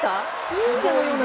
忍者のような。